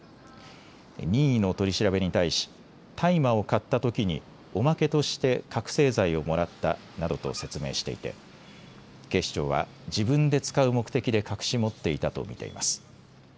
任意の取り調べに対し大麻を買ったときにおまけとして覚醒剤をもらったなどと説明していて警視庁は自分で使う目的で隠し持っていたと見ています。